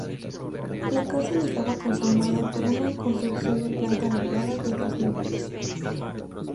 La cárcel estaba conformada por una construcción de planta alargada de dos niveles.